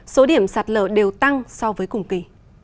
số điểm sạt lở đều tăng so với cùng kỳ